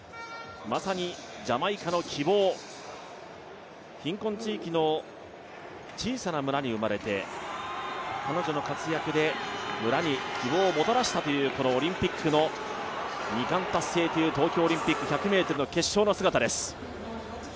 まさにジャマイカの希望、貧困地域の小さな村に生まれて彼女の活躍で村に希望をもたらしたというオリンピックの２冠達成という東京オリンピック１００ｍ決勝の姿です。